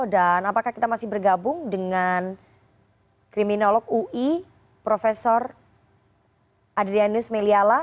dan apakah kita masih bergabung dengan kriminolog ui profesor adrianus meliala